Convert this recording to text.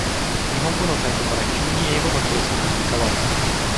日本語のサイトから急に英語のページに切り替わる